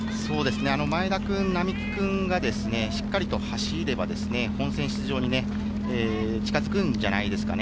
前田くん、並木くんがしっかりと走れば、本選出場に近づくんじゃないんですかね。